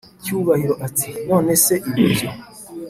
cyubahiro ati"nonese ibi byo